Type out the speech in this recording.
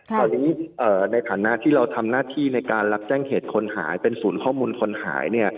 ตอนนี้ในฐานะที่เราทำหน้าที่ในการรับแจ้งเหตุคนหายเป็นศูนย์ข้อมูลคนหาย